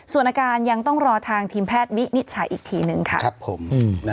ส่วนอาการยังต้องรอทางทีมแพทย์วินิจฉัยอีกทีนึงค่ะครับผม